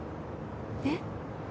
えっ？